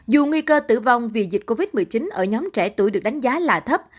dù nguy cơ tử vong vì dịch covid một mươi chín ở nhóm trẻ tuổi được đánh giá là thấp